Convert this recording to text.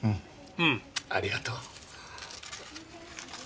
うんありがとう。